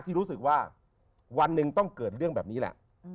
รู้สึกว่าวันหนึ่งต้องเกิดเรื่องแบบนี้แหละ